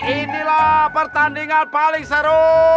idhila pertandingan paling seruu